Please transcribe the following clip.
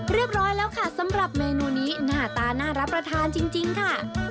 เรียบร้อยแล้วค่ะสำหรับเมนูนี้หน้าตาน่ารับประทานจริงค่ะ